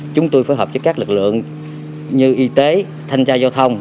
chúng tôi phối hợp với các lực lượng như y tế thanh tra giao thông